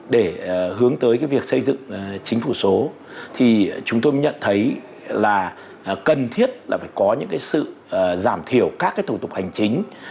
để hướng tới việc xây dựng chính phủ số thì chúng tôi nhận thấy là cần thiết là phải có những sự giảm thiểu các thủ tục hành chính